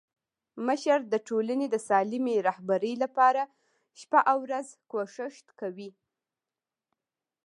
مشر د ټولني د سالمي رهبري لپاره شپه او ورځ کوښښ کوي.